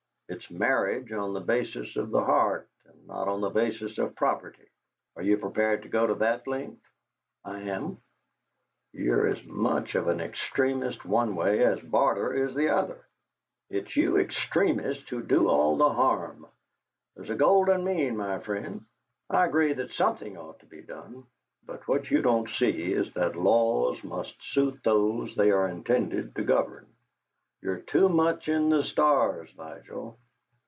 It's marriage on the basis of the heart, and not on the basis of property. Are you prepared to go to that length?" "I am." "You're as much of an extremist one way as Barter is the other. It's you extremists who do all the harm. There's a golden mean, my friend. I agree that something ought to be done. But what you don't see is that laws must suit those they are intended to govern. You're too much in the stars, Vigil.